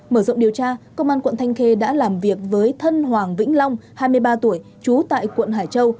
mở rộng điều tra công an quận thanh khê đã làm việc với thân hoàng vĩnh long hai mươi ba tuổi trú tại quận hải châu